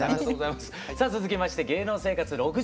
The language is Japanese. さあ続きまして芸能生活６０周年